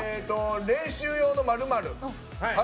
「練習用の○○」。